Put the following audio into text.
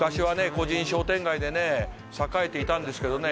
個人商店街でね栄えていたんですけどね